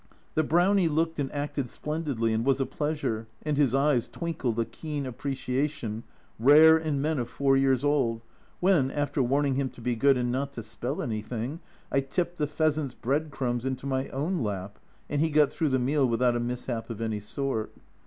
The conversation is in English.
The Brownie looked and acted splendidly, and was a pleasure, and his eyes twinkled a keen appreciation rare in men of four years old when, after warning him to be good and not to spill anything, I tipped the pheasant's bread crumbs into my own lap, and he got through the meal without a mishap of any sort.